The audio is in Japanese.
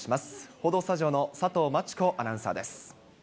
報道スタジオの佐藤真知子アナウンサーです。